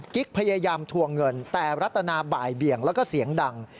กิ๊กพยายามทวงเงินแต่รัตนาบ่ายเบี่ยงแล้วก็เสียงดัง